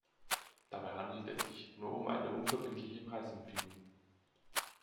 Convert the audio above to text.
Dabei handelt es sich nur um eine unverbindliche Preisempfehlung.